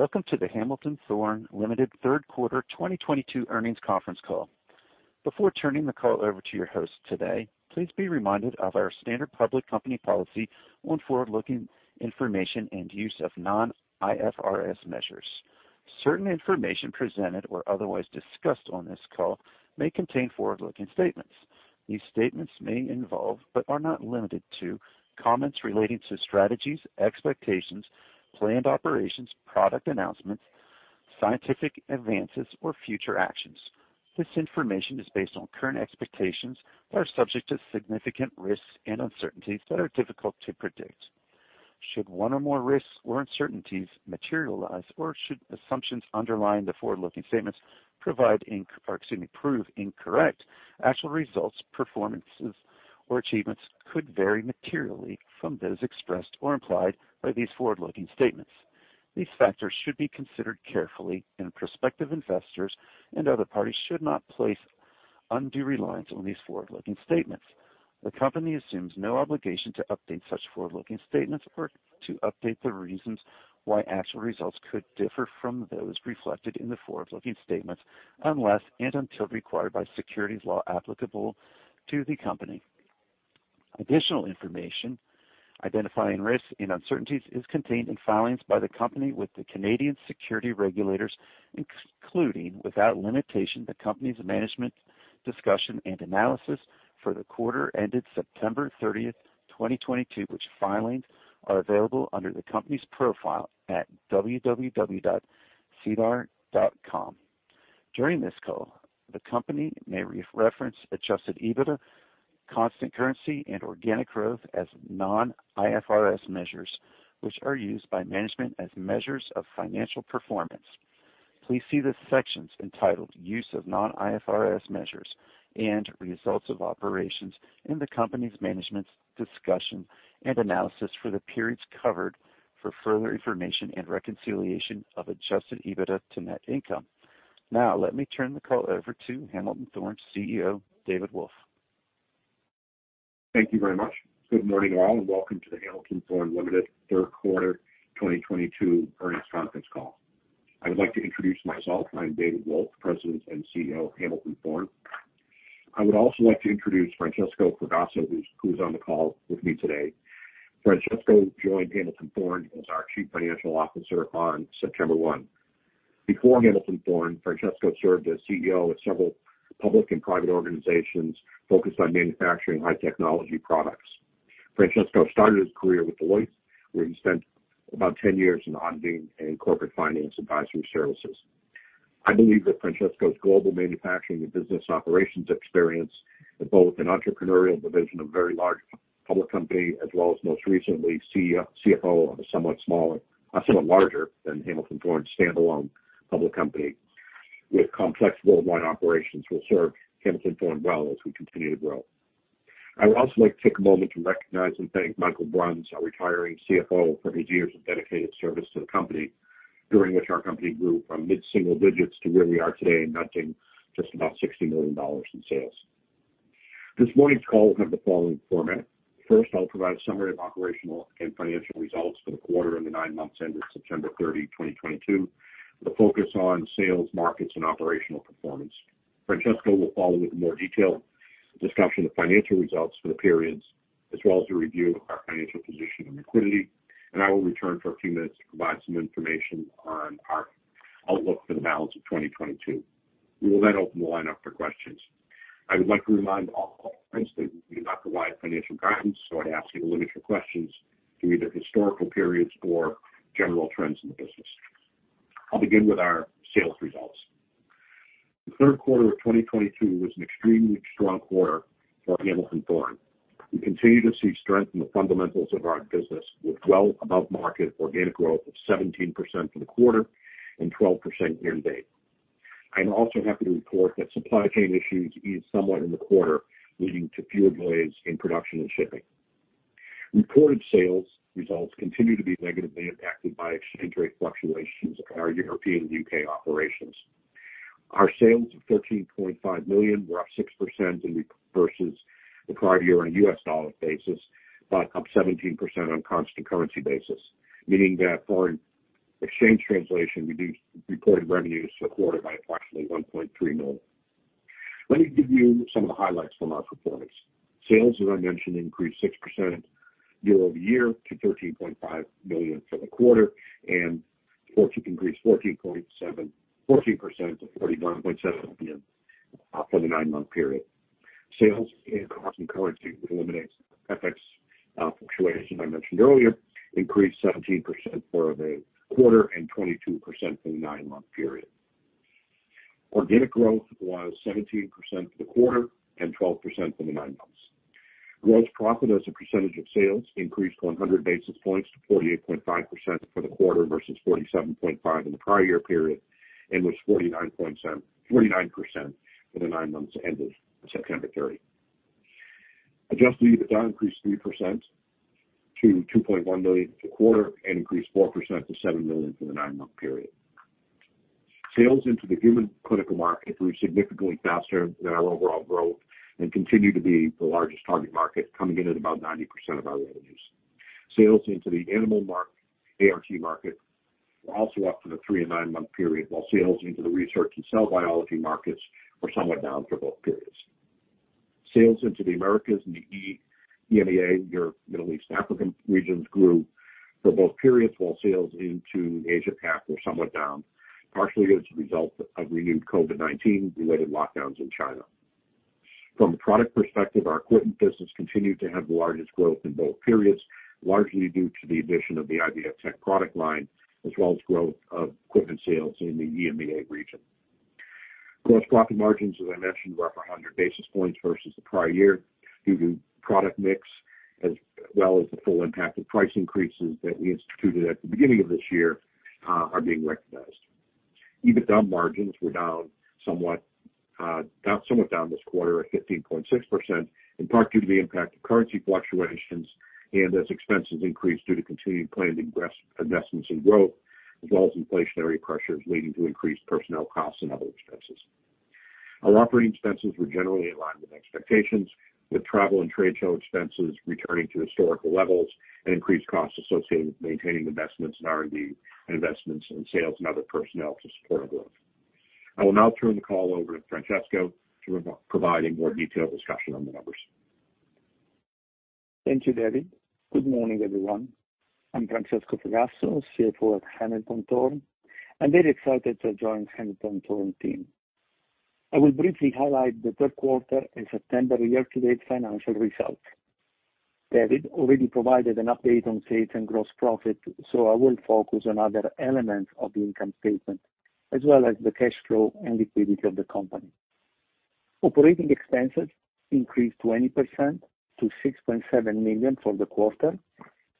Welcome to the Hamilton Thorne Ltd. third quarter 2022 earnings conference call. Before turning the call over to your host today, please be reminded of our standard public company policy on forward-looking information and use of non-IFRS measures. Certain information presented or otherwise discussed on this call may contain forward-looking statements. These statements may involve, but are not limited to, comments relating to strategies, expectations, planned operations, product announcements, scientific advances, or future actions. This information is based on current expectations that are subject to significant risks and uncertainties that are difficult to predict. Should one or more risks or uncertainties materialize or should assumptions underlying the forward-looking statements or excuse me, prove incorrect, actual results, performances, or achievements could vary materially from those expressed or implied by these forward-looking statements. These factors should be considered carefully, and prospective investors and other parties should not place undue reliance on these forward-looking statements. The company assumes no obligation to update such forward-looking statements or to update the reasons why actual results could differ from those reflected in the forward-looking statements unless and until required by securities law applicable to the company. Additional information identifying risks and uncertainties is contained in filings by the company with the Canadian security regulators, including, without limitation, the company's management discussion and analysis for the quarter ended September 30th, 2022, which filings are available under the company's profile at www.sedar.com. During this call, the company may reference adjusted EBITDA, constant currency, and organic growth as non-IFRS measures, which are used by management as measures of financial performance. Please see the sections entitled Use of Non-IFRS Measures and Results of Operations in the company's management's discussion and analysis for the periods covered for further information and reconciliation of adjusted EBITDA to net income. Now, let me turn the call over to Hamilton Thorne's CEO, David Wolf. Thank you very much. Good morning, all, and welcome to the Hamilton Thorne Ltd. third quarter 2022 earnings conference call. I would like to introduce myself. I'm David Wolf, President and CEO of Hamilton Thorne. I would also like to introduce Francesco Fragasso, who's on the call with me today. Francesco joined Hamilton Thorne as our Chief Financial Officer on September 1. Before Hamilton Thorne, Francesco served as CEO at several public and private organizations focused on manufacturing high technology products. Francesco started his career with Deloitte, where he spent about 10 years in auditing and corporate finance advisory services. I believe that Francesco's global manufacturing and business operations experience in both an entrepreneurial division of a very large public company, as well as most recently CFO of a somewhat smaller. a somewhat larger than Hamilton Thorne standalone public company with complex worldwide operations will serve Hamilton Thorne well as we continue to grow. I would also like to take a moment to recognize and thank Michael Bruns, our retiring CFO, for his years of dedicated service to the company, during which our company grew from mid-single digits to where we are today, netting just about $60 million in sales. This morning's call will have the following format. First, I'll provide a summary of operational and financial results for the quarter and the nine months ended September 30, 2022, with a focus on sales, markets, and operational performance. Francesco will follow with a more detailed discussion of financial results for the periods, as well as a review of our financial position and liquidity. I will return for a few minutes to provide some information on our outlook for the balance of 2022. We will open the line up for questions. I would like to remind all participants that we do not provide financial guidance. I'd ask you to limit your questions to either historical periods or general trends in the business. I'll begin with our sales results. The third quarter of 2022 was an extremely strong quarter for Hamilton Thorne. We continue to see strength in the fundamentals of our business with well above market organic growth of 17% for the quarter and 12% year-to-date. I am also happy to report that supply chain issues eased somewhat in the quarter, leading to fewer delays in production and shipping. Reported sales results continue to be negatively impacted by exchange rate fluctuations in our European and UK operations. Our sales of $13.5 million were up 6% versus the prior year on a US dollar basis, up 17% on a constant currency basis, meaning that foreign exchange translation reduced reported revenues for the quarter by approximately $1.3 million. Let me give you some of the highlights from our performance. Sales, as I mentioned, increased 6% year-over-year to $13.5 million for the quarter and increased 14% to $49.7 million for the nine-month period. Sales in constant currency, which eliminates FX fluctuations I mentioned earlier, increased 17% for the quarter and 22% for the nine-month period. Organic growth was 17% for the quarter and 12% for the nine months. Gross profit as a percentage of sales increased 100 basis points to 48.5% for the quarter versus 47.5 in the prior year period and was 49% for the nine months ended September 30. Adjusted EBITDA increased 3% to $2.1 million for the quarter and increased 4% to $7 million for the nine-month period. Sales into the human clinical market grew significantly faster than our overall growth and continue to be the largest target market, coming in at about 90% of our revenues. Sales into the animal market, ART market were also up for the three and nine-month period, while sales into the research and cell biology markets were somewhat down for both periods. Sales into the Americas and the Europe, Middle East, African regions grew for both periods, while sales into Asia Pac were somewhat down, partially as a result of renewed COVID-19 related lockdowns in China. From a product perspective, our equipment business continued to have the largest growth in both periods, largely due to the addition of the IVFtech product line, as well as growth of equipment sales in the EMEA region. Gross profit margins, as I mentioned, were up 100 basis points versus the prior year due to product mix, as well as the full impact of price increases that we instituted at the beginning of this year, are being recognized. EBITDA margins were somewhat down this quarter at 15.6%, in part due to the impact of currency fluctuations and as expenses increased due to continued planned investments in growth, as well as inflationary pressures leading to increased personnel costs and other expenses. Our operating expenses were generally in line with expectations, with travel and trade show expenses returning to historical levels and increased costs associated with maintaining investments in R&D and investments in sales and other personnel to support our growth. I will now turn the call over to Francesco providing more detailed discussion on the numbers. Thank you, David. Good morning, everyone. I'm Francesco Fragasso, CFO at Hamilton Thorne, and very excited to join Hamilton Thorne team. I will briefly highlight the third quarter and September year-to-date financial results. David already provided an update on sales and gross profit, so I will focus on other elements of the income statement, as well as the cash flow and liquidity of the company. Operating expenses increased 20% to $6.7 million for the quarter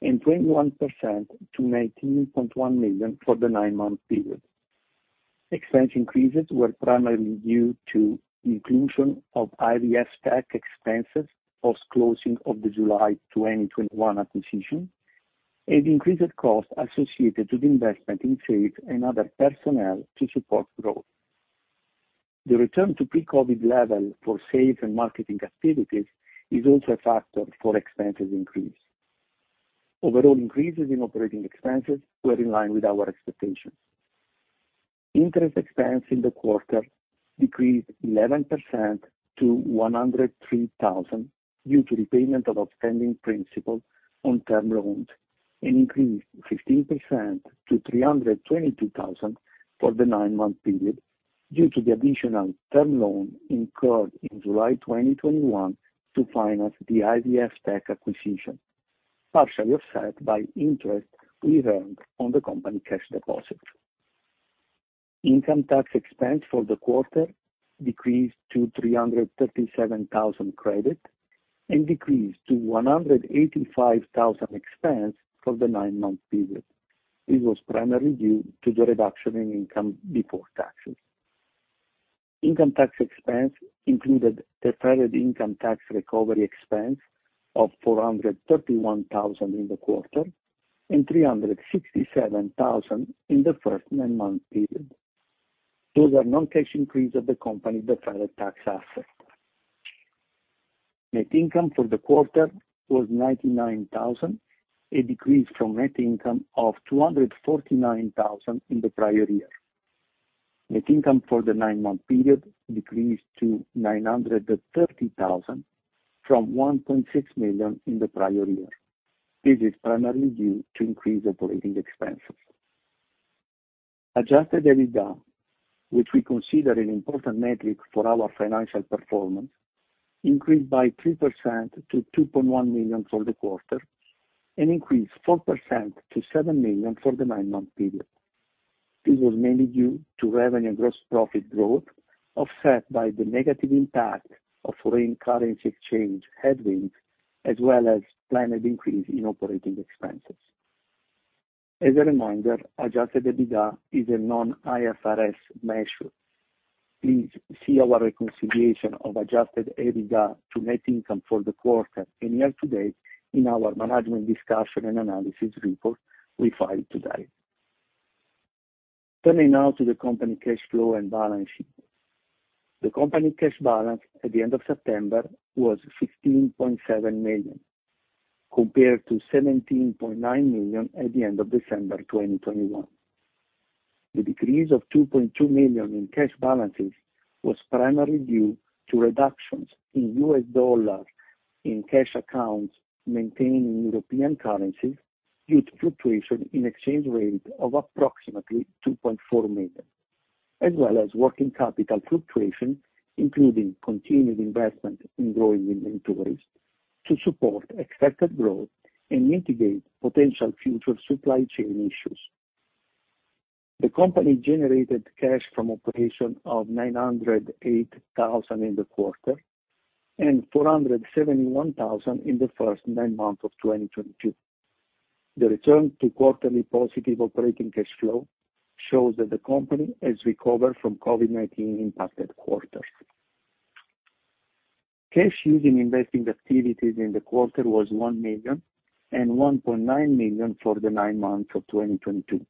and 21% to $19.1 million for the nine-month period. Expense increases were primarily due to the inclusion of IVFtech expenses post-closing of the July 2021 acquisition and increased costs associated to the investment in sales and other personnel to support growth. The return to pre-COVID level for sales and marketing activities is also a factor for expenses increase. Overall increases in operating expenses were in line with our expectations. Interest expense in the quarter decreased 11% to $103,000 due to repayment of outstanding principal on term loans, and increased 15% to $322,000 for the nine-month period due to the additional term loan incurred in July 2021 to finance the IVFtech acquisition, partially offset by interest we earned on the company cash deposit. Income tax expense for the quarter decreased to $337,000 credit and decreased to $185,000 expense for the nine-month period. This was primarily due to the reduction in income before taxes. Income tax expense included deferred income tax recovery expense of $431,000 in the quarter and $367,000 in the first nine-month period. Those are non-cash increase of the company deferred tax asset. Net income for the quarter was $99,000, a decrease from net income of $249,000 in the prior year. Net income for the nine-month period decreased to $930,000 from $1.6 million in the prior year. This is primarily due to increased operating expenses. Adjusted EBITDA, which we consider an important metric for our financial performance, increased by 3% to $2.1 million for the quarter and increased 4% to $7 million for the nine-month period. This was mainly due to revenue and gross profit growth, offset by the negative impact of foreign currency exchange headwinds, as well as planned increase in operating expenses. As a reminder, adjusted EBITDA is a non-IFRS measure. Please see our reconciliation of adjusted EBITDA to net income for the quarter and year to date in our management discussion and analysis report we filed today. Turning now to the company cash flow and balance sheet. The company cash balance at the end of September was $16.7 million, compared to $17.9 million at the end of December 2021. The decrease of $2.2 million in cash balances was primarily due to reductions in U.S. dollar in cash accounts maintained in European currencies due to fluctuation in exchange rate of approximately $2.4 million, as well as working capital fluctuation, including continued investment in growing inventories to support expected growth and mitigate potential future supply chain issues. The company generated cash from operation of $908 thousand in the quarter and $471 thousand in the first nine months of 2022. The return to quarterly positive operating cash flow shows that the company has recovered from COVID-19 impacted quarters. Cash used in investing activities in the quarter was $1 million and $1.9 million for the nine months of 2022.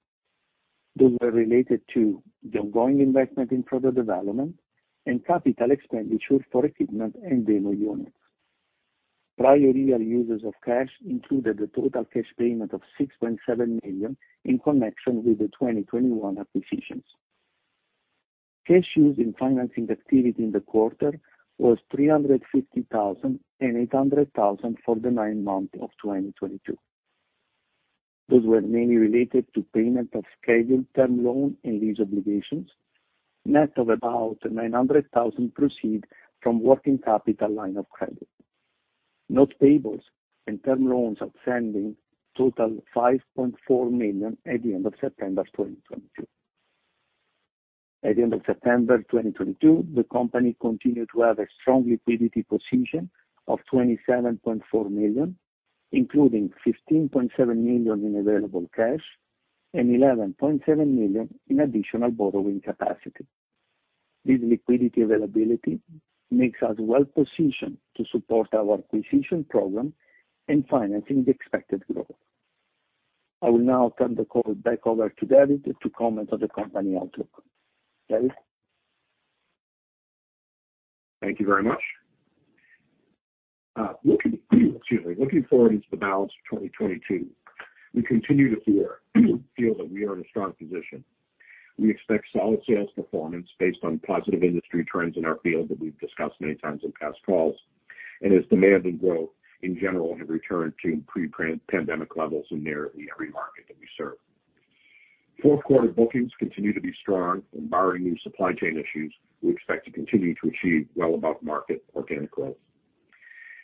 Those were related to the ongoing investment in product development and capital expenditures for equipment and demo units. Prior year uses of cash included the total cash payment of $6.7 million in connection with the 2021 acquisitions. Cash used in financing activity in the quarter was $350 thousand and $800 thousand for the nine months of 2022. Those were mainly related to payment of scheduled term loan and lease obligations, net of about $900,000 proceed from working capital line of credit. Notes payables and term loans outstanding totaled $5.4 million at the end of September 2022. At the end of September 2022, the company continued to have a strong liquidity position of $27.4 million, including $15.7 million in available cash and $11.7 million in additional borrowing capacity. This liquidity availability makes us well positioned to support our acquisition program and financing the expected growth. I will now turn the call back over to David to comment on the company outlook. David? Thank you very much. Looking forward into the balance of 2022, we continue to feel that we are in a strong position. We expect solid sales performance based on positive industry trends in our field that we've discussed many times in past calls, and as demand and growth in general have returned to pre-pandemic levels in nearly every market that we serve. Fourth quarter bookings continue to be strong. Barring new supply chain issues, we expect to continue to achieve well above market organic growth.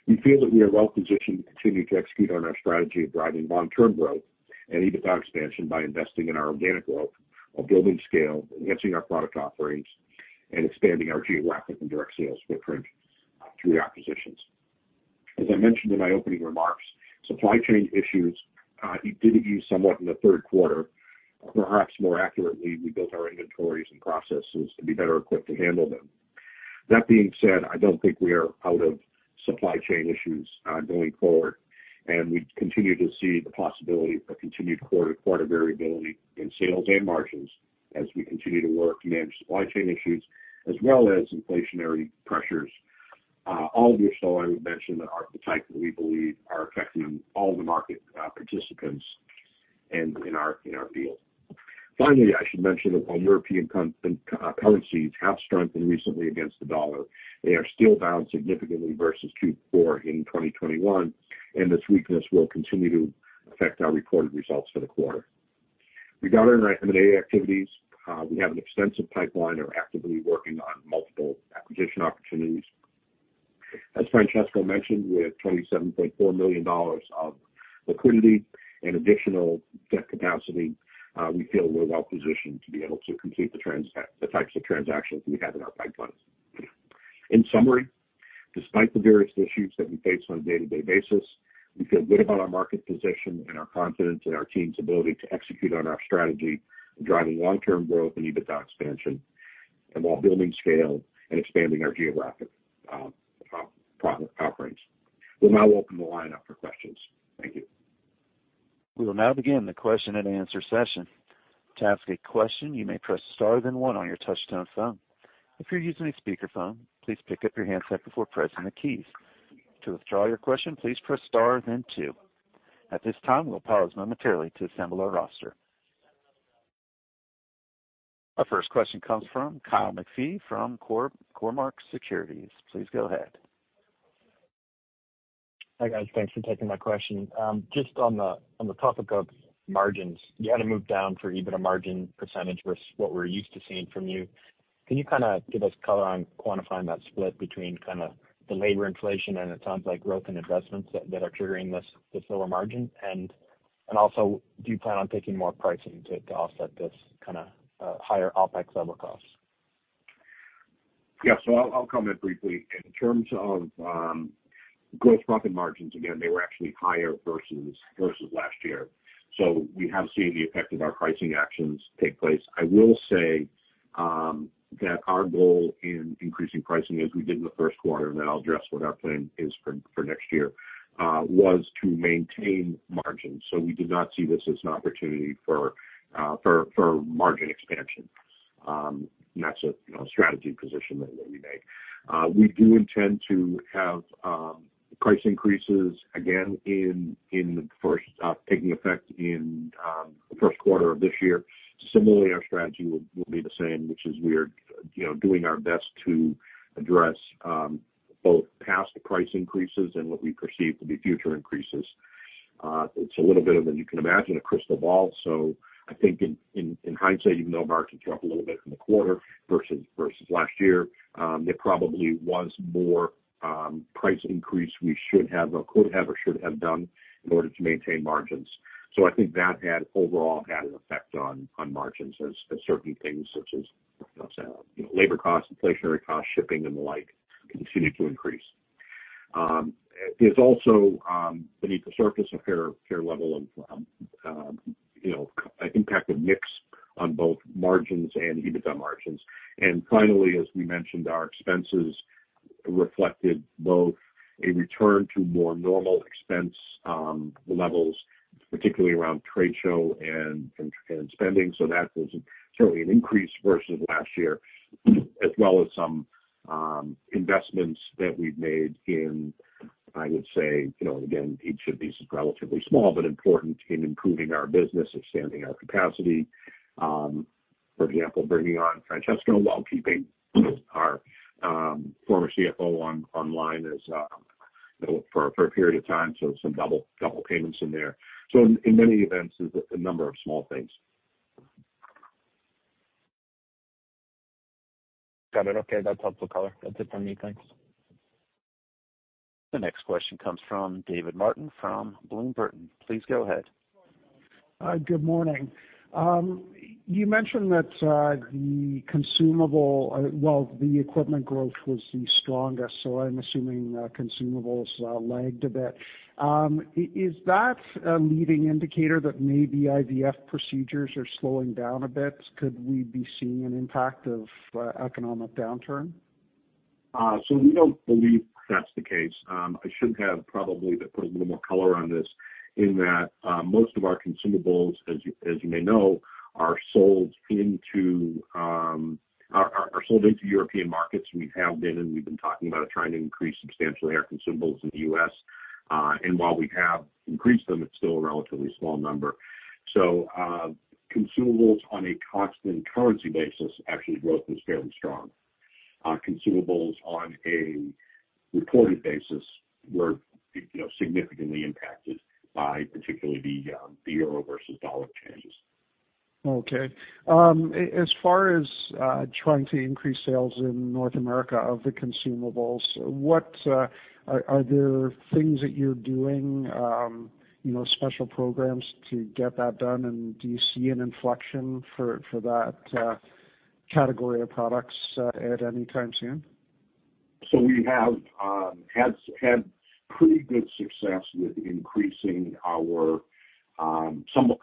We feel that we are well positioned to continue to execute on our strategy of driving long-term growth and EBITDA expansion by investing in our organic growth, while building scale, enhancing our product offerings, and expanding our geographic and direct sales footprint through acquisitions. As I mentioned in my opening remarks, supply chain issues did ease somewhat in the third quarter. Or perhaps more accurately, we built our inventories and processes to be better equipped to handle them. That being said, I don't think we are out of supply chain issues going forward, and we continue to see the possibility of continued quarter variability in sales and margins as we continue to work to manage supply chain issues as well as inflationary pressures. All of which, though, I would mention that are the type that we believe are affecting all the market participants in our field. Finally, I should mention that while European currencies have strengthened recently against the dollar, they are still down significantly versus Q4 in 2021, and this weakness will continue to affect our reported results for the quarter. Regarding our M&A activities, we have an extensive pipeline and are actively working on multiple acquisition opportunities. As Francesco mentioned, with $27.4 million of liquidity and additional debt capacity, we feel we're well positioned to be able to complete the types of transactions we have in our pipeline. In summary, despite the various issues that we face on a day-to-day basis, we feel good about our market position and are confident in our team's ability to execute on our strategy of driving long-term growth and EBITDA expansion, and while building scale and expanding our geographic, pro-product offerings. We'll now open the line up for questions. Thank you. We will now begin the Q&A session. To ask a question, you may press star then one on your touch-tone phone. If you're using a speakerphone, please pick up your handset before pressing the keys. To withdraw your question, please press star then two. At this time, we'll pause momentarily to assemble our roster. Our first question comes from Kyle McPhee from Cormark Securities. Please go ahead. Hi, guys. Thanks for taking my question. Just on the topic of margins, you had a move down for EBITDA margin percentage versus what we're used to seeing from you. Can you kinda give us color on quantifying that split between kinda the labor inflation and it sounds like growth and investments that are triggering this lower margin? Also, do you plan on taking more pricing to offset this kinda higher OpEx level costs? I'll comment briefly. In terms of gross profit margins, again, they were actually higher versus last year. We have seen the effect of our pricing actions take place. I will say that our goal in increasing pricing, as we did in the first quarter, and then I'll address what our plan is for next year, was to maintain margins. We did not see this as an opportunity for margin expansion. And that's a, you know, strategy position that we make. We do intend to have price increases again in the first, taking effect in the first quarter of this year. Similarly, our strategy will be the same, which is we are, you know, doing our best to address both past price increases and what we perceive to be future increases. It's a little bit of, as you can imagine, a crystal ball. I think in hindsight, even though margins dropped a little bit from the quarter versus last year, there probably was more price increase we should have or could have or should have done in order to maintain margins. I think that had overall had an effect on margins as certain things such as I said, you know, labor costs, inflationary costs, shipping and the like continue to increase. There's also beneath the surface, a fair level of, you know, impact of mix on both margins and EBITDA margins. Finally, as we mentioned, our expenses reflected both a return to more normal expense levels, particularly around trade show and spending. That was certainly an increase versus last year, as well as some investments that we've made in, I would say, you know, again, each of these is relatively small but important in improving our business, expanding our capacity. For example, bringing on Francesco while keeping our former CFO on-online as, you know, for a period of time. Some double payments in there. In many events, is a number of small things. Got it. Okay. That's helpful color. That's it for me. Thanks. The next question comes from David Paulson from Bloomberg. Please go ahead. Good morning. You mentioned that, well, the equipment growth was the strongest, I'm assuming, consumables lagged a bit. Is that a leading indicator that maybe IVF procedures are slowing down a bit? Could we be seeing an impact of economic downturn? We don't believe that's the case. I should have probably put a little more color on this in that most of our consumables, as you may know, are sold into European markets. We have been, and we've been talking about it, trying to increase substantially our consumables in the U.S. While we have increased them, it's still a relatively small number. Consumables on a constant currency basis actually growth was fairly strong. Consumables on a reported basis were, you know, significantly impacted by particularly the euro versus dollar changes. Okay. As far as trying to increase sales in North America of the consumables, are there things that you're doing, you know, special programs to get that done? Do you see an inflection for that category of products at any time soon? We have has had pretty good success with increasing our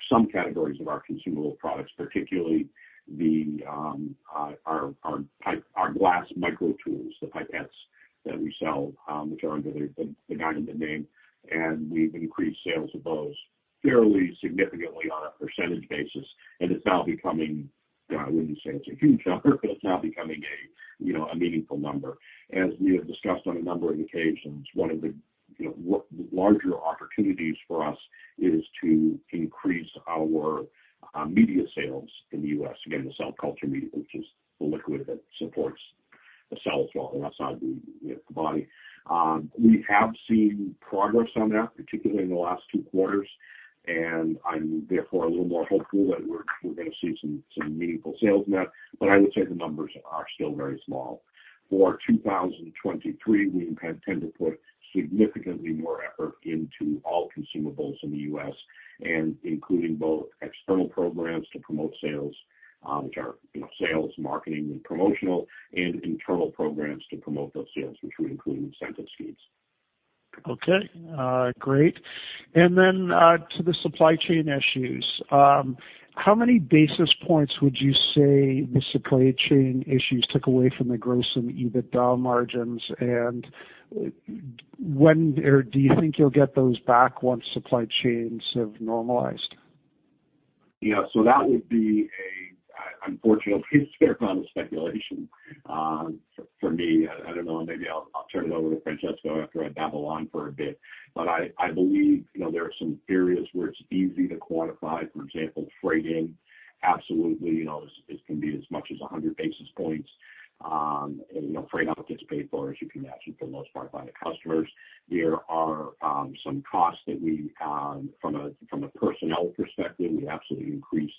some categories of our consumable products, particularly the our glass micro tools, the pipettes that we sell, which are under the Gynemed name. We've increased sales of those fairly significantly on a percentage basis. It's now becoming, I wouldn't say it's a huge number, but it's now becoming a, you know, a meaningful number. As we have discussed on a number of occasions, one of the, you know, larger opportunities for us is to increase our media sales in the U.S. Again, the cell culture media, which is the liquid that supports the cells while they're outside the, you know, the body. We have seen progress on that, particularly in the last two quarters, and I'm therefore a little more hopeful that we're gonna see some meaningful sales in that, but I would say the numbers are still very small. For 2023, we intend to put significantly more effort into all consumables in the US and including both external programs to promote sales, which are, you know, sales, marketing, and promotional, and internal programs to promote those sales, which would include incentive schemes. Okay. great. Then, to the supply chain issues. How many basis points would you say the supply chain issues took away from the gross and EBITDA margins? When or do you think you'll get those back once supply chains have normalized? Yeah. That would be a, unfortunately, fair amount of speculation for me. I don't know. Maybe I'll turn it over to Francesco after I babble on for a bit. I believe, you know, there are some areas where it's easy to quantify, for example, freight in. Absolutely, you know, this can be as much as 100 basis points. You know, freight out gets paid for, as you can imagine, for the most part, by the customers. There are some costs that we, from a personnel perspective, we absolutely increased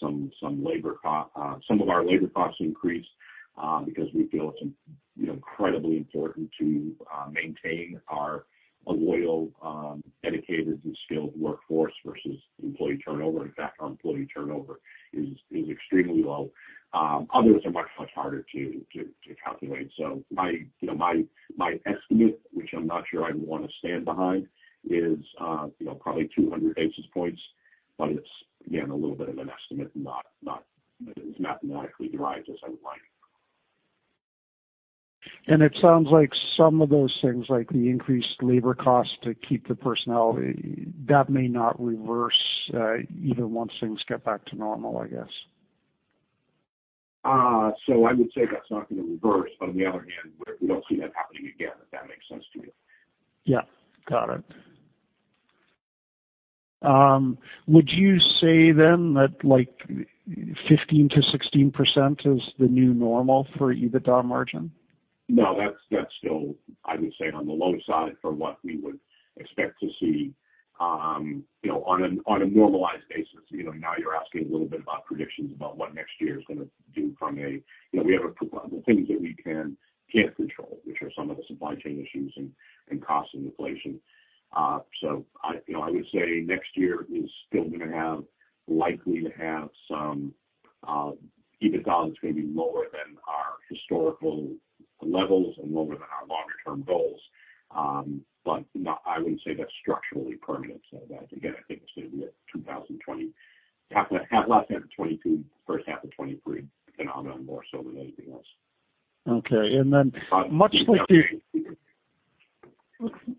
some of our labor costs increased because we feel it's, you know, incredibly important to maintain our loyal, dedicated, and skilled workforce versus employee turnover. In fact, our employee turnover is extremely low. Others are much harder to calculate. My estimate, which I'm not sure I'd wanna stand behind, is probably 200 basis points. It's, again, a little bit of an estimate. It's not mathematically derived as I would like. It sounds like some of those things, like the increased labor cost to keep the personnel, that may not reverse, even once things get back to normal, I guess. I would say that's not gonna reverse. On the other hand, we don't see that happening again, if that makes sense to you. Yeah. Got it. Would you say that, like, 15%-16% is the new normal for EBITDA margin? That's, that's still, I would say, on the low side for what we would expect to see, you know, on a normalized basis. You know, now you're asking a little bit about predictions about what next year is gonna do from a. You know, we have the things that we can't control, which are some of the supply chain issues and cost and inflation. So I, you know, I would say next year is still gonna have, likely to have some. EBITDAs may be lower than our historical levels and lower than our longer term goals. But no, I wouldn't say that's structurally permanent. That again, I think it's gonna be a last half of 2022, first half of 2023 phenomenon more so than anything else. Okay. Then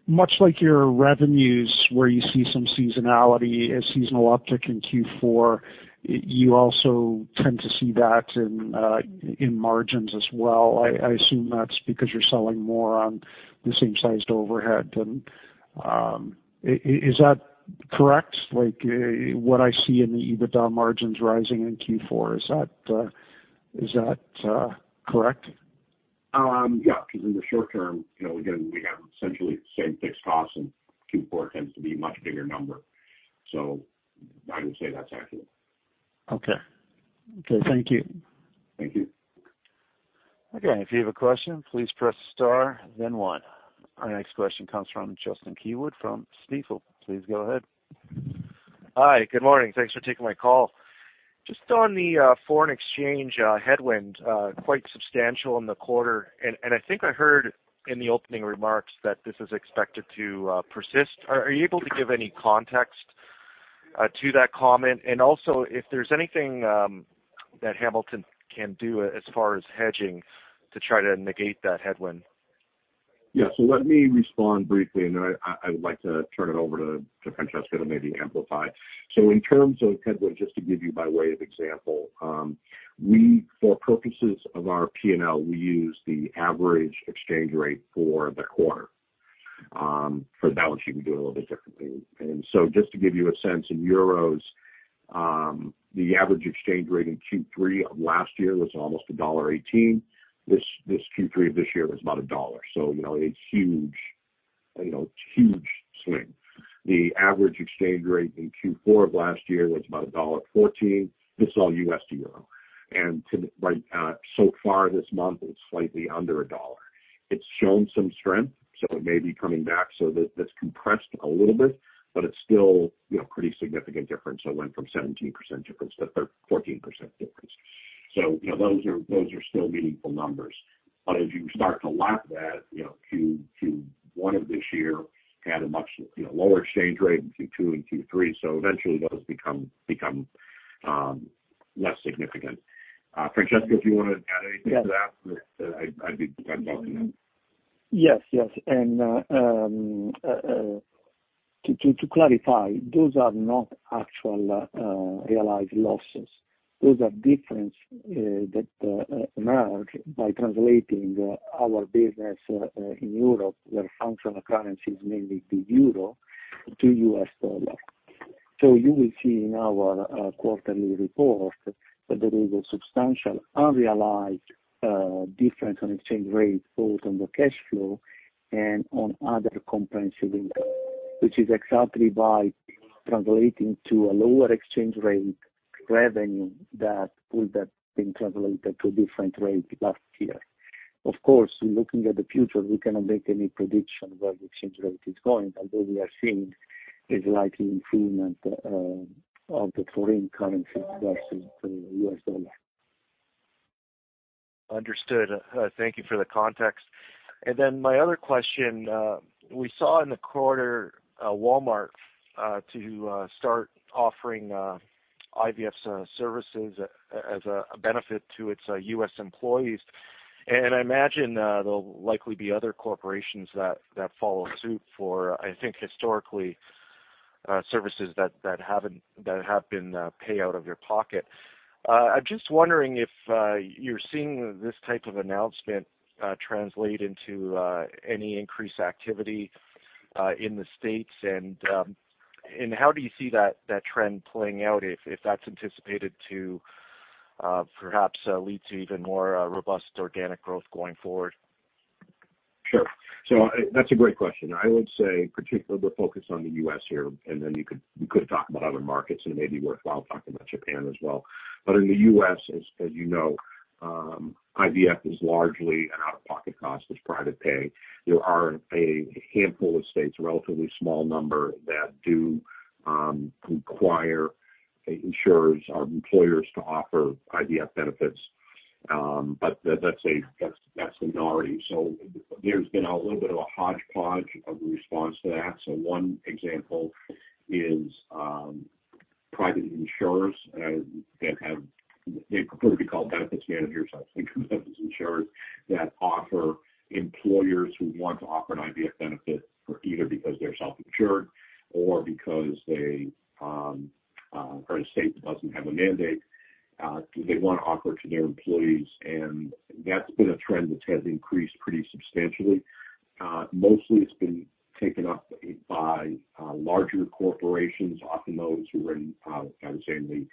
much like your revenues where you see some seasonality, a seasonal uptick in Q4, you also tend to see that in margins as well. I assume that's because you're selling more on the same sized overhead than. Is that correct? Like what I see in the EBITDA margins rising in Q4, is that correct? Yeah, 'cause in the short term, you know, again, we have essentially the same fixed costs and Q4 tends to be a much bigger number. I would say that's accurate. Okay. Okay, thank you. Thank you. Again, if you have a question, please press star then one. Our next question comes from Justin Keywood from Stifel. Please go ahead. Hi, good morning. Thanks for taking my call. Just on the foreign exchange headwind, quite substantial in the quarter. I think I heard in the opening remarks that this is expected to persist. Are you able to give any context to that comment? Also if there's anything that Hamilton can do as far as hedging to try to negate that headwind? Let me respond briefly, and then I would like to turn it over to Francesco to maybe amplify. In terms of headwind, just to give you by way of example, we, for purposes of our P&L, we use the average exchange rate for the quarter. For the balance sheet, we do it a little bit differently. Just to give you a sense, in EUR, the average exchange rate in Q3 of last year was almost $1.18. This Q3 of this year was about $1.00. You know, it's huge, you know, huge swing. The average exchange rate in Q4 of last year was about $1.14. This is all U.S. to EUR. Like, so far this month, it's slightly under $1.00. It's shown some strength, so it may be coming back, so that's compressed a little bit, but it's still, you know, pretty significant difference. It went from 17% difference to 14% difference. You know, those are still meaningful numbers. As you start to lap that, you know, Q1 of this year had a much, you know, lower exchange rate in Q2 and Q3, so eventually those become less significant. Francesco, if you wanna add anything to that. Yes. I'm done. Yes. Yes. To clarify, those are not actual realized losses. Those are difference that emerge by translating our business in Europe, where functional currency is mainly the euro to U.S. dollar. You will see in our quarterly report that there is a substantial unrealized difference on exchange rates, both on the cash flow and on other comprehensive income, which is exactly by translating to a lower exchange rate revenue that would have been translated to a different rate last year. Of course, looking at the future, we cannot make any prediction where the exchange rate is going, although we are seeing a slight improvement of the foreign currency versus the U.S. dollar. Understood. Thank you for the context. My other question, we saw in the quarter, Walmart to start offering IVF services as a benefit to its U.S. employees. I imagine there'll likely be other corporations that follow suit for, I think, historically, services that have been, pay out of your pocket. I'm just wondering if you're seeing this type of announcement translate into any increased activity in the States and how do you see that trend playing out if that's anticipated to perhaps lead to even more robust organic growth going forward? Sure. That's a great question. I would say particularly we're focused on the U.S. here, and then we could talk about other markets, and it may be worthwhile talking about Japan as well. In the U.S., as you know, IVF is largely an out-of-pocket cost. It's private pay. There are a handful of states, relatively small number, that do require insurers or employers to offer IVF benefits. That's the minority. There's been a little bit of a hodgepodge of response to that. One example is private insurers that have, they prefer to be called benefits managers. I think of benefits insurers that offer employers who want to offer an IVF benefit for either because they're self-insured or because they or a state doesn't have a mandate, they wanna offer it to their employees. That's been a trend which has increased pretty substantially. Mostly it's been taken up by larger corporations, often those who are in, I would say in the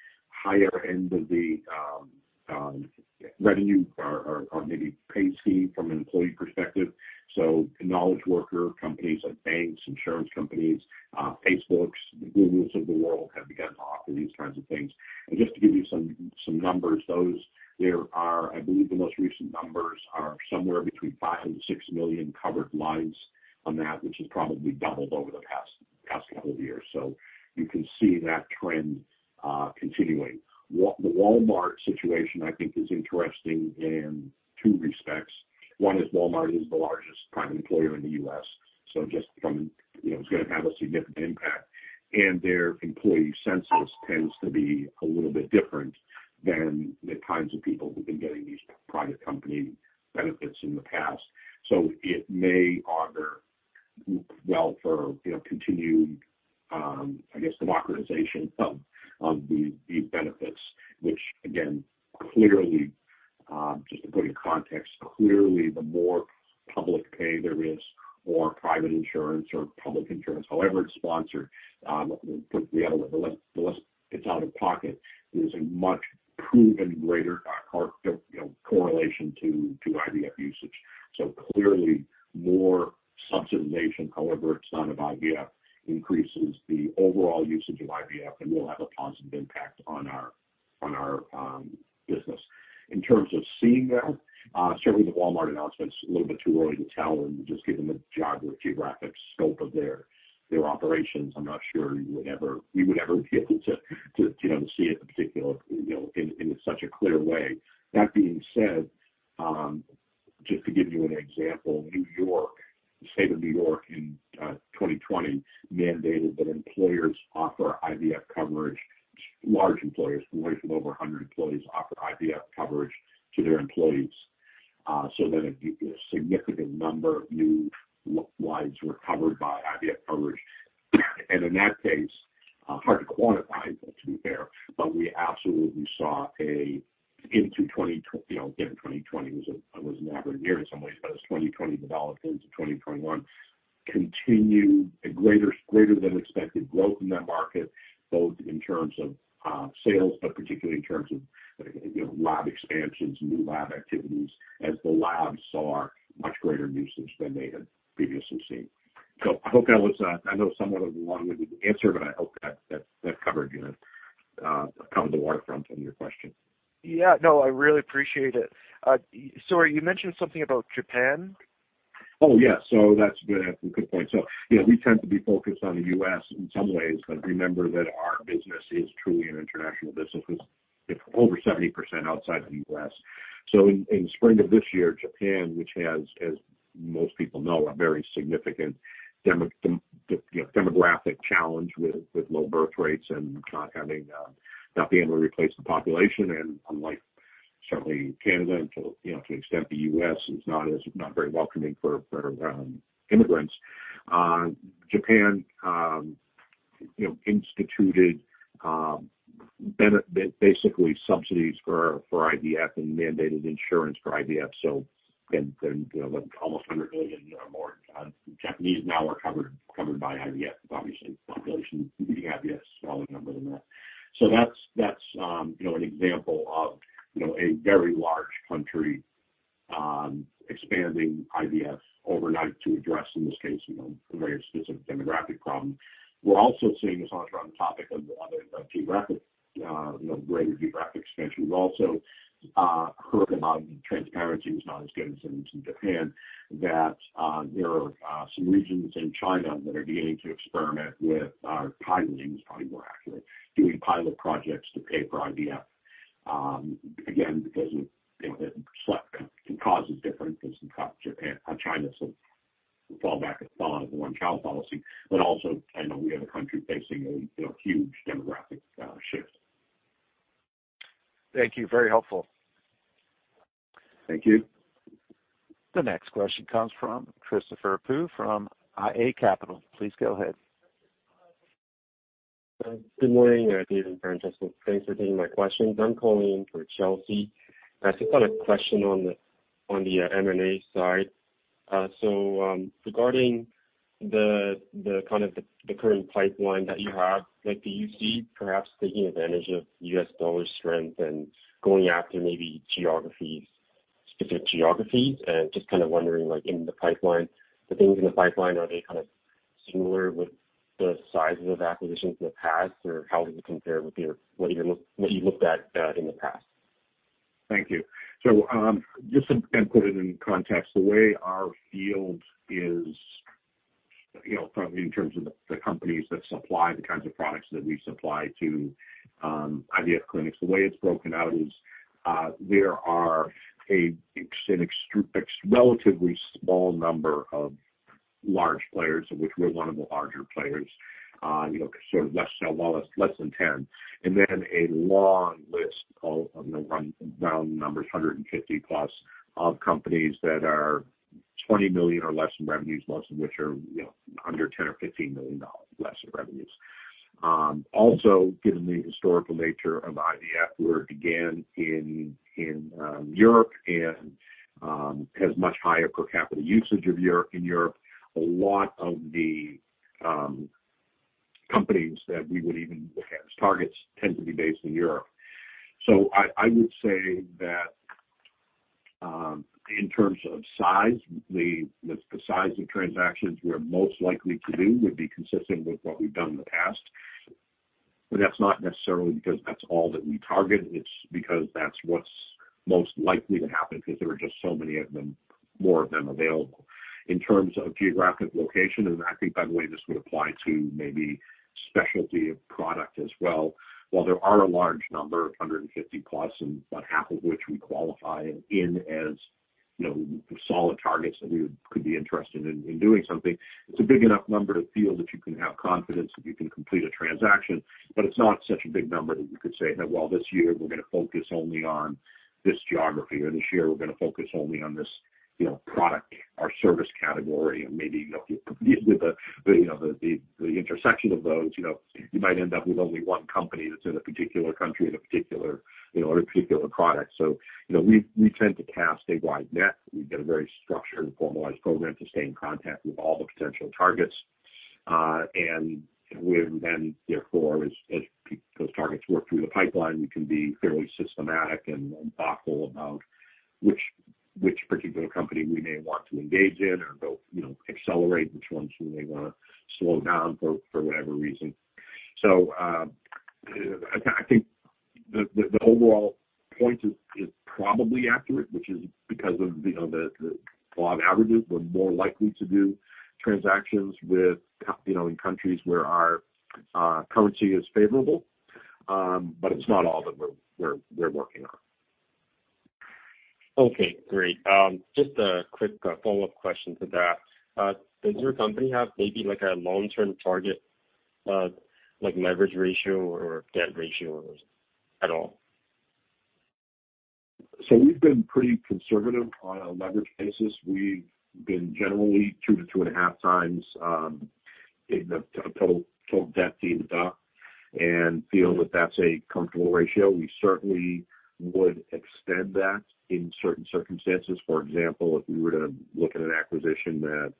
higher end of the revenue or, or maybe pay scheme from an employee perspective. Knowledge worker companies like banks, insurance companies, into, you know, again, 2020 was a, was an aberrant year in some ways, but as 2020 developed into 2021, continue a greater than expected growth in that market, both in terms of, sales, but particularly in terms of, you know, lab expansions, new lab activities, as the labs saw much greater usage than they had previously seen. I hope that was, I know somewhat of a long-winded answer, but I hope that, that covered, you know, covered the waterfront in your question. Yeah, no, I really appreciate it. Sorry, you mentioned something about Japan. Yeah. That's good. Good point. Yeah, we tend to be focused on the U.S. in some ways, but remember that our business is truly an international business with over 70% outside the U.S. In spring of this year, Japan, which has, as most people know, a very significant demographic challenge with low birth rates and not having not being able to replace the population. Unlike certainly Canada, and to, you know, to extent the U.S., is not as, not very welcoming for immigrants. Japan, you know, instituted basically subsidies for IVF and mandated insurance for IVF. And, you know, like almost $100 million or more Japanese now are covered by IVF. Obviously, the population being IVF, smaller number than that. That's, you know, an example of, you know, a very large country expanding IVF overnight to address, in this case, you know, a very specific demographic problem. We're also seeing this on the topic of other geographic, you know, greater geographic expansion. We've also heard among transparency is not as good in Japan that there are some regions in China that are beginning to experiment with, piloting is probably more accurate, doing pilot projects to pay for IVF. Again, because of, you know, the select causes differences in Japan, China. The fallback, fall out of the One Child Policy, but also I know we have a country facing a, you know, huge demographic shift. Thank you. Very helpful. Thank you. The next question comes from Christopher Chu from iA Capital. Please go ahead. Good morning, David and Francesco. Thanks for taking my questions. I'm calling in for Chelsea. I just had a question on the M&A side. Regarding the kind of the current pipeline that you have, like, do you see perhaps taking advantage of US dollar strength and going after maybe geographies, specific geographies? Just kind of wondering, like in the pipeline, the things in the pipeline, are they kind of similar with the sizes of acquisitions in the past? Or how does it compare with what you looked at in the past? Thank you. Just to kind of put it in context, the way our field is, you know, probably in terms of the companies that supply the kinds of products that we supply to IVF clinics, the way it's broken out is there are a relatively small number of large players of which we're one of the larger players. You know, sort of less than 10. A long list of, you know, 150 plus of companies that are $20 million or less in revenues, most of which are, you know, under $10 or $15 million less in revenues. Also, given the historical nature of IVF, where it began in Europe and has much higher per capita usage in Europe, a lot of the companies that we would even look at as targets tend to be based in Europe. I would say that in terms of size, the size of transactions we are most likely to do would be consistent with what we've done in the past. But that's not necessarily because that's all that we target, it's because that's what's most likely to happen because there are just so many of them, more of them available. In terms of geographic location, I think by the way, this would apply to maybe specialty of product as well. While there are a large number, 150+ and about half of which we qualify in as, you know, solid targets that we could be interested in doing something, it's a big enough number to feel that you can have confidence that you can complete a transaction. It's not such a big number that we could say that, well, this year we're gonna focus only on this geography or this year we're gonna focus only on this, you know, product or service category. Maybe, you know, with the, you know, the intersection of those, you know, you might end up with only one company that's in a particular country in a particular, you know, in a particular product. You know, we tend to cast a wide net. We've got a very structured and formalized program to stay in contact with all the potential targets. We're then therefore, as those targets work through the pipeline, we can be fairly systematic and thoughtful about which particular company we may want to engage in or go, you know, accelerate which ones we may wanna slow down for whatever reason. I think the overall point is probably accurate, which is because of, you know, the law of averages, we're more likely to do transactions with, you know, in countries where our currency is favorable. It's not all that we're working on. Okay, great. Just a quick follow-up question to that. Does your company have maybe like a long-term target, like leverage ratio or debt ratio at all? We've been pretty conservative on a leverage basis. We've been generally two to 2.5x in the total debt to EBITDA and feel that that's a comfortable ratio. We certainly would extend that in certain circumstances. For example, if we were to look at an acquisition that,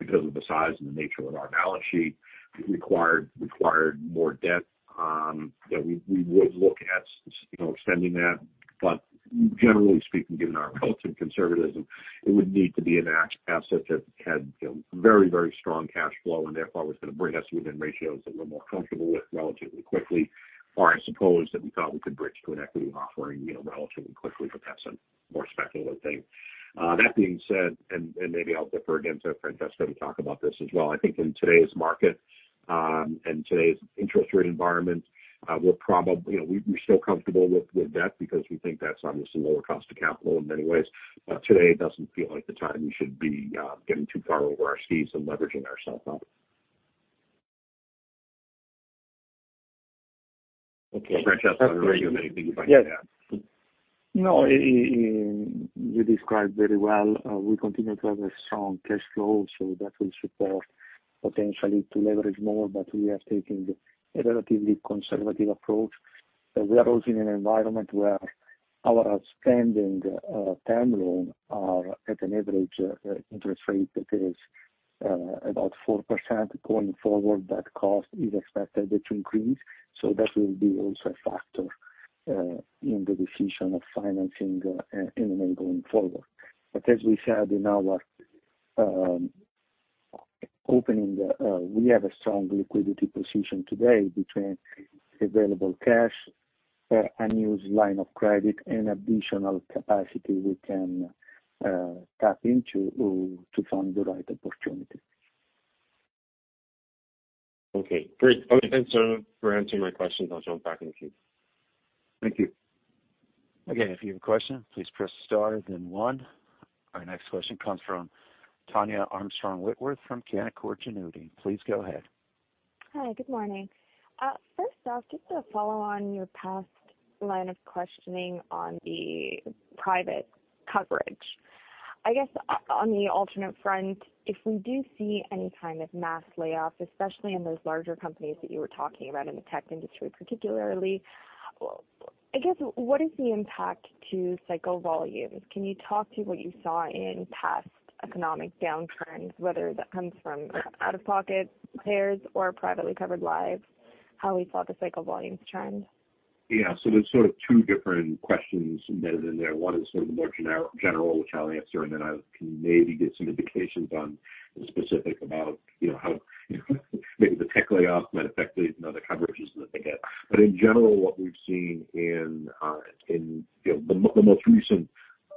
because of the size and the nature of our balance sheet required more debt, that we would look at you know, extending that. Generally speaking, given our relative conservatism, it would need to be an asset that had, you know, very, very strong cash flow and therefore was gonna bring us within ratios that we're more comfortable with relatively quickly. I suppose that we thought we could bridge to an equity offering, you know, relatively quickly, but that's a more speculative thing. That being said, maybe I'll defer again to Francesco to talk about this as well. I think in today's market, and today's interest rate environment, you know, we're still comfortable with debt because we think that's obviously lower cost of capital in many ways. Today doesn't feel like the time we should be getting too far over our skis and leveraging ourselves up. Okay. Francesco, do you have anything you'd like to add? No, you described very well. We continue to have a strong cash flow, so that will support potentially to leverage more. We have taken a relatively conservative approach. We are also in an environment where our outstanding term loan are at an average interest rate that is about 4%. Going forward, that cost is expected to increase. That will be also a factor in the decision of financing M&A going forward. As we said in our opening, we have a strong liquidity position today between available cash, unused line of credit and additional capacity we can tap into to find the right opportunity. Okay, great. Thanks for answering my questions. I'll jump back in the queue. Thank you. If you have a question, please press star then one. Our next question comes from Tania Armstrong-Whitworth from Canaccord Genuity. Please go ahead. Hi, good morning. First off, just to follow on your past line of questioning on the private coverage. I guess on the alternate front, if we do see any kind of mass layoffs, especially in those larger companies that you were talking about in the tech industry particularly, I guess what is the impact to cycle volumes? Can you talk to what you saw in past economic downturns, whether that comes from out-of-pocket payers or privately covered lives, how we saw the cycle volumes trend? Yeah. There's sort of two different questions embedded in there. One is sort of the more general, which I'll answer, and then I can maybe get some indications on the specific about, you know, how maybe the tech layoffs might affect the, you know, the coverages that they had. In general, what we've seen in, you know, the most recent,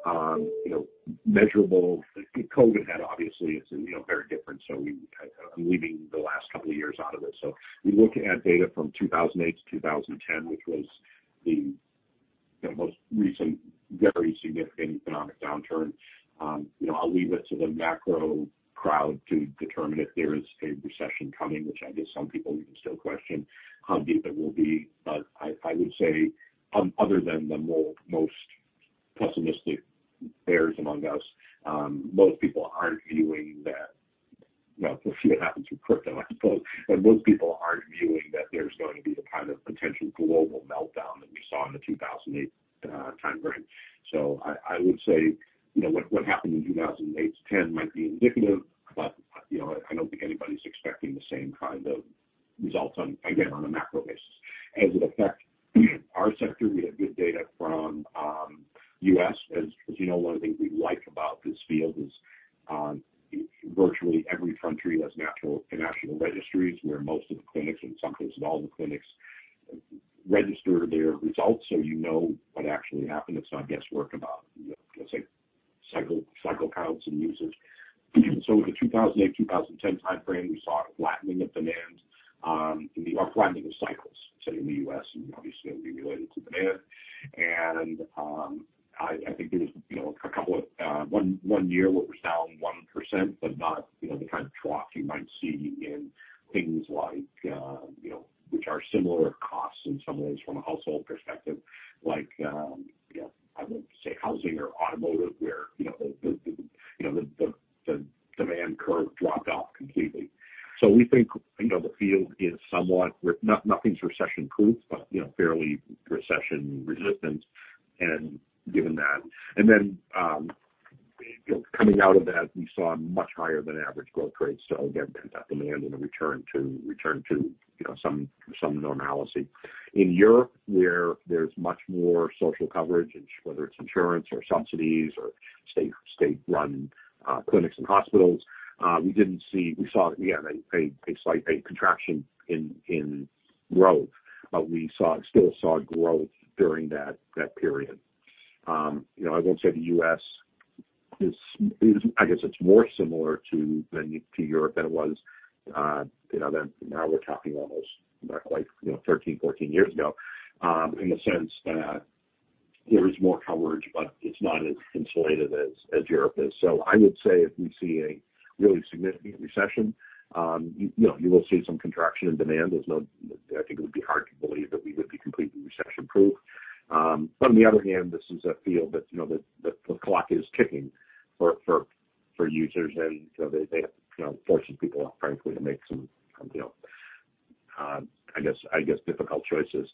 you know, measurable COVID had obviously is, you know, very different. I'm leaving the last couple of years out of it. We look at data from 2008 to 2010, which was the, you know, most recent very significant economic downturn. You know, I'll leave it to the macro crowd to determine if there is a recession coming, which I guess some people even still question how deep it will be. I would say other than the most pessimistic bears among us, most people aren't viewing that. Well, a few have happened through crypto, I suppose. Most people aren't viewing that there's going to be the kind of potential global meltdown that we saw in the 2008 time frame. I would say, you know, what happened in 2008-10 might be indicative, there is more coverage, but it's not as insulated as Europe is. I would say if we see a really significant recession, you know, you will see some contraction in demand. I think it would be hard to believe that we would be completely recession-proof. On the other hand, this is a field that, you know, the clock is ticking for users, they have, you know, forces people, frankly, to make some, you know, I guess difficult choices.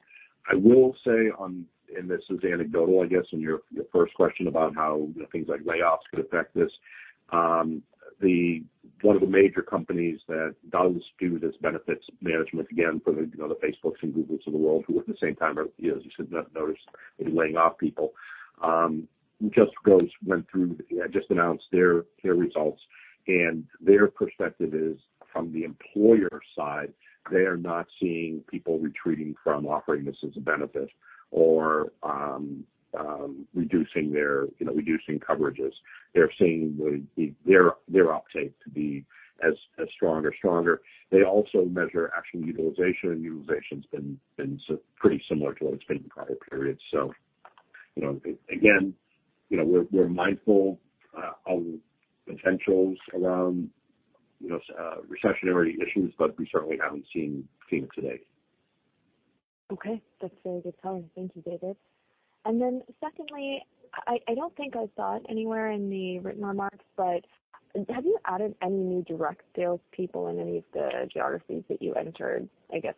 I will say on, this is anecdotal, I guess, on your first question about how things like layoffs could affect this. One of the major companies that does do this benefits management, again, for the, you know, the Facebooks and Googles of the world, who at the same time are, you know, as you said, have noticed maybe laying off people, just announced their results. Their perspective is from the employer side, they are not seeing people retreating from offering this as a benefit or reducing their, you know, reducing coverages. They're seeing their uptake to be as strong or stronger. They also measure actual utilization, and utilization's been pretty similar to what it's been in prior periods. You know, again, you know, we're mindful of potentials around, you know, recessionary issues, but we certainly haven't seen them today. Okay. That's very good color. Thank you, David. Secondly, I don't think I saw it anywhere in the written remarks, have you added any new direct salespeople in any of the geographies that you entered, I guess,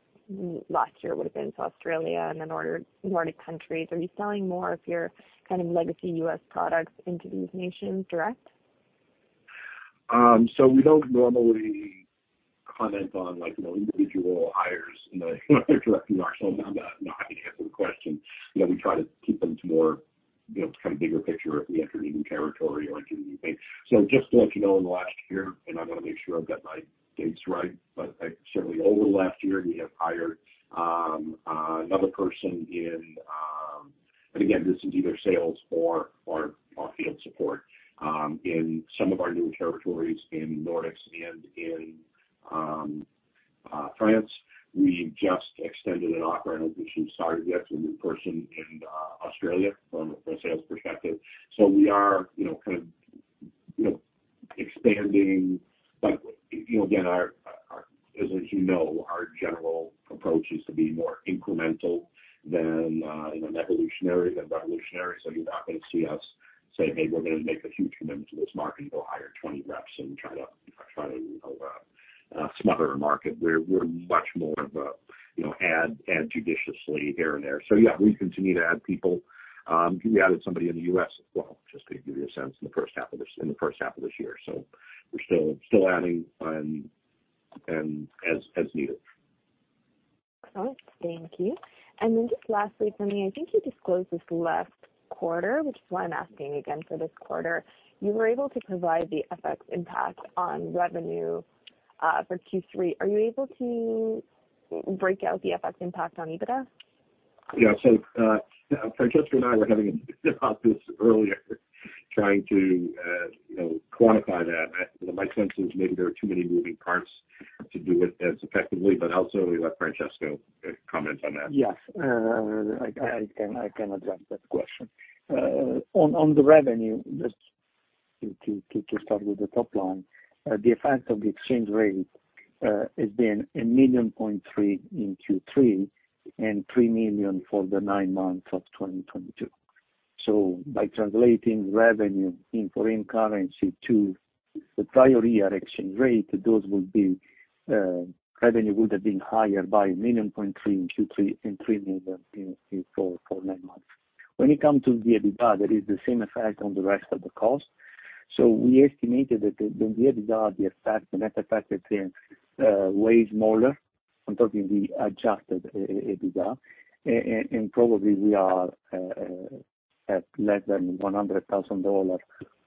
last year would have been South Australia and the Nordic countries? Are you selling more of your kind of legacy U.S. products into these nations direct? We don't normally comment on, like, you know, individual hires in a direct manner. Not to answer the question. You know, we try to keep them to more, you know, kind of bigger picture if we enter a new territory or do a new thing. Just to let you know, in the last year, and I want to make sure I've got my dates right, but certainly over the last year, we have hired another person in. Again, this is either sales or field support in some of our new territories in Nordics and in France. We just extended an offer. I don't think she started yet. It's a new person in Australia from a sales perspective. We are, you know, kind of, you know, expanding. You know, again, our, as you know, our general approach is to be more incremental than, you know, evolutionary than revolutionary. You're not gonna see us say, "Hey, we're gonna make a huge commitment to this market and go hire 20 reps and try to, you know, smother a market." We're much more of a, you know, add judiciously here and there. Yeah, we continue to add people. We added somebody in the U.S. as well, just to give you a sense in the first half of this year. We're still adding and as needed. All right. Thank you. Just lastly for me, I think you disclosed this last quarter, which is why I'm asking again for this quarter. You were able to provide the FX impact on revenue for Q3. Are you able to break out the FX impact on EBITDA? Yeah. Francesco and I were having about this earlier, trying to, you know, quantify that. My sense is maybe there are too many moving parts to do it as effectively, but I'll certainly let Francesco comment on that. Yes. I can address that question. On the revenue, just to start with the top line, the effect of the exchange rate has been $1.3 million in Q3 and $3 million for the nine months of 2022. By translating revenue in foreign currency to the prior year exchange rate, those would be, revenue would have been higher by $1.3 million in Q3 and $3 million in Q4 for nine months. When it comes to the EBITDA, that is the same effect on the rest of the cost. We estimated that the EBITDA, the net effect is way smaller. I'm talking the adjusted EBITDA. Probably we are at less than $100,000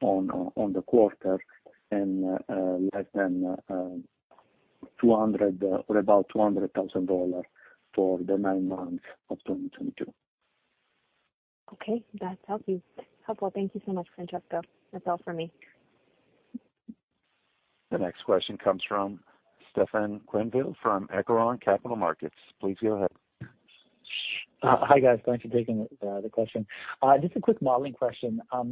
on the quarter and less than $200,000 or about $200,000 for the nine months of 2022. Okay. That's helpful. Thank you so much, Francesco. That's all for me. The next question comes from Stefan Quenneville from Echelon Capital Markets. Please go ahead. Hi, guys. Thanks for taking the question. Just a quick modeling question. I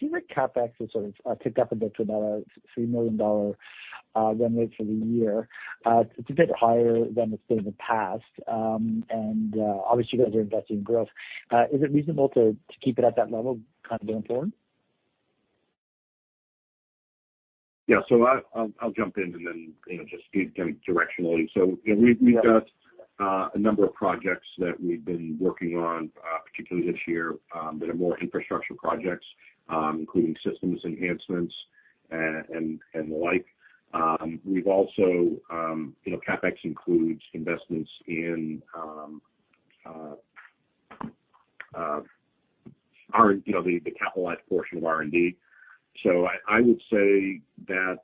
see that CapEx has sort of ticked up a bit to about a $3 million run rate for the year. It's a bit higher than it's been in the past, and obviously you guys are investing in growth. Is it reasonable to keep it at that level going forward? I'll jump in and then, you know, just Steve can directionally. You know, we've got a number of projects that we've been working on particularly this year that are more infrastructure projects, including systems enhancements and the like. We've also, you know, CapEx includes investments in our, you know, the capitalized portion of R&D. I would say that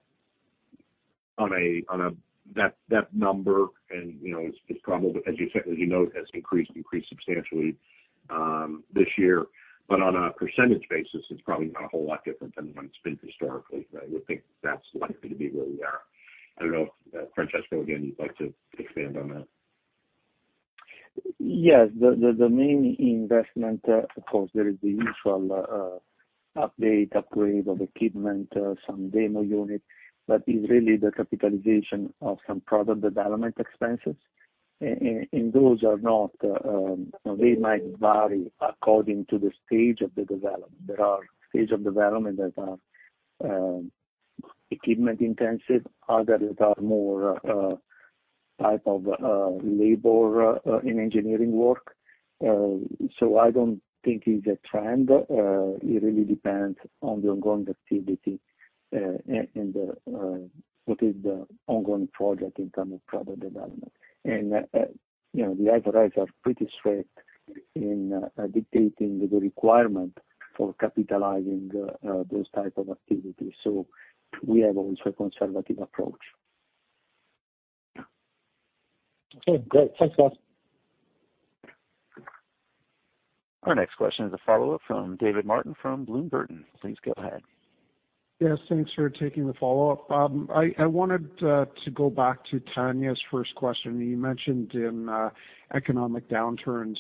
on a that number and, you know, it's probably, as you note, has increased substantially this year. On a percentage basis, it's probably not a whole lot different than what it's been historically. I would think that's likely to be where we are. I don't know if Francesco, again, you'd like to expand on that. Yes. The main investment, of course, there is the usual update, upgrade of equipment, some demo unit, but it's really the capitalization of some product development expenses. Those are not, they might vary according to the stage of the development. There are stage of development that are equipment intensive, others are more type of labor in engineering work. I don't think it's a trend. It really depends on the ongoing activity, and the what is the ongoing project in term of product development. The authorities are pretty strict in dictating the requirement for capitalizing those type of activities. We have always a conservative approach. Great. Thanks, guys. Our next question is a follow-up from David Paulson from Bloomberg. Please go ahead. Yes, thanks for taking the follow-up. I wanted to go back to Tania's first question. You mentioned in economic downturns,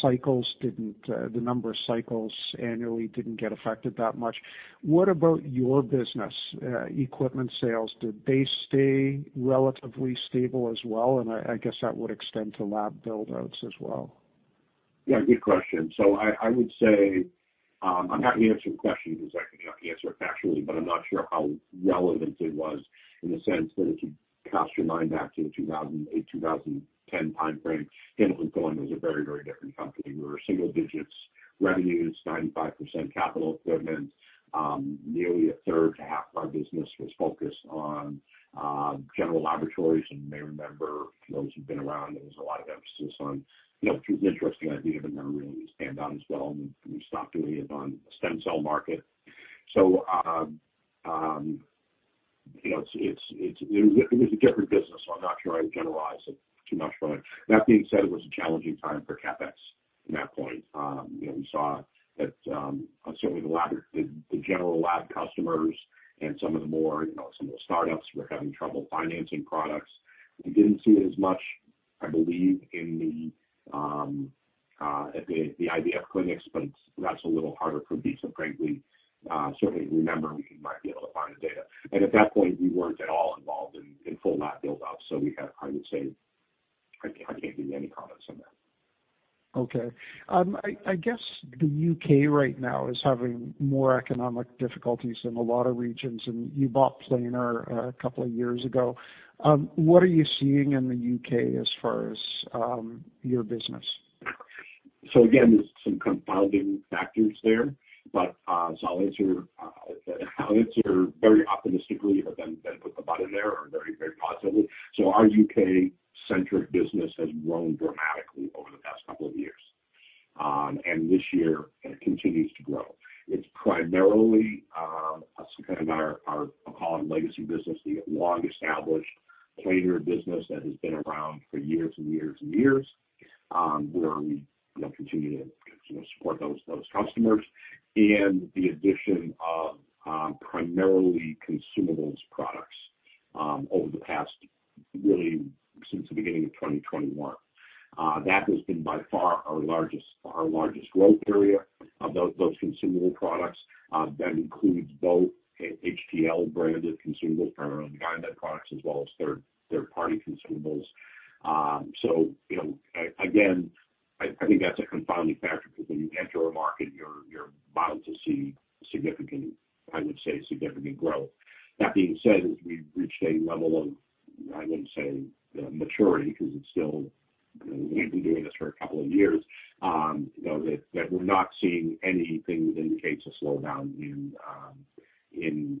cycles didn't, the number of cycles annually didn't get affected that much. What about your business, equipment sales? Did they stay relatively stable as well? I guess that would extend to lab build-outs as well. Yeah, good question. I would say, I'm happy to answer the question because I can answer it factually, but I'm not sure how relevant it was in the sense that if you cast your mind back to the 2008, 2010 timeframe, Hamilton Thorne was a very, very different company. We were single digits revenues, 95% capital equipment. Nearly a third to half of our business was focused on general laboratories. You may remember, for those who've been around, there was a lot of emphasis on, you know, it was an interesting idea, but never really panned out as well, and we stopped doing it on the stem cell market. You know, it was a different business, so I'm not sure I would generalize it too much. That being said, it was a challenging time for CapEx from that point. you know, we saw that, certainly the general lab customers and some of the more, you know, some of the startups were having trouble financing products. We didn't see it as much, I believe, in the IVF clinics, but that's a little harder for me to frankly, certainly remember. We might be able to find the data. At that point, we weren't at all involved in full lab build-outs. I would say I can't give you any comments on that. Okay. I guess the U.K. right now is having more economic difficulties than a lot of regions, and you bought Planer a couple of years ago. What are you seeing in the U.K. as far as your business? Again, there's some compounding factors there. I'll answer very optimistically, but then put the button there or very, very positively. Our U.K.-centric business has grown dramatically over the past couple of years. This year it continues to grow. It's primarily, kind of our, I'll call it legacy business, the long-established Planer business that has been around for years and years and years, where we, you know, continue to sort of support those customers. The addition of, primarily consumables products, over the past really since the beginning of 2021. That has been by far our largest growth area, those consumable products, that includes both HTL branded consumables, our own branded products as well as third-party consumables. So you know, again, I think that's a confounding factor because when you enter a market, you're bound to see significant, I would say significant growth. That being said, as we've reached a level of, I wouldn't say maturity because it's still, you know, we've been doing this for a couple of years, you know, that we're not seeing anything that indicates a slowdown in cycled usage from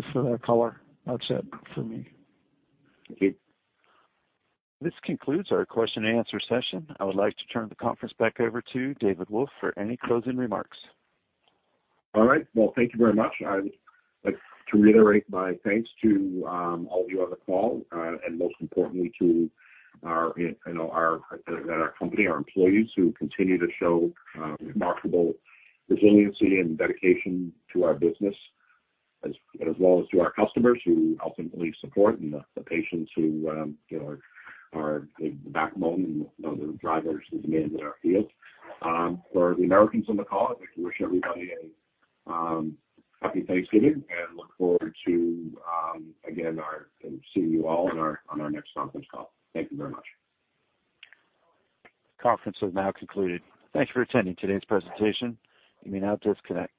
that's recessionary, recession based. We did see, you know, just. By the way, contrary to maybe what you might expect, the U.K. is largely a private pay market. The NHS has slowly but surely over the past several years, decreased funding, and the local councils, which actually administrative funding, have decreased funding. It's becoming a market that looks more like the U.S. in terms of both, demand and pay factors than let's say it was even five or 10 years ago. Okay. Okay, thank you for that color. That's it for me. Thank you. This concludes our Q&A session. I would like to turn the conference back over to David Wolf for any closing remarks. All right. Well, thank you very much. I would like to reiterate my thanks to all of you on the call, and most importantly, to our, you know, our company, our employees who continue to show remarkable resiliency and dedication to our business, as well as to our customers who ultimately support and the patients who, you know, are the backbone and, you know, the drivers as we may in our field. For the Americans on the call, I'd like to wish everybody a happy Thanksgiving and look forward to again, seeing you all on our next conference call. Thank you very much. Conference is now concluded. Thank you for attending today's presentation. You may now disconnect.